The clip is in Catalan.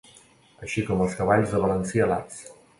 Així com els cavalls de balancí alats.